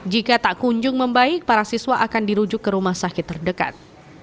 jika tak kunjung membaik para siswa akan dirujuk ke rumah sakit terdekat